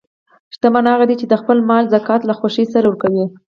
شتمن هغه دی چې د خپل مال زکات له خوښۍ سره ورکوي.